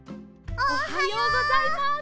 おはようございます。